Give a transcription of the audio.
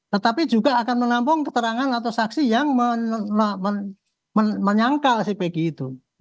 tetapi juga akan menampung keterangan atau saksi yang menyangkal si pg itu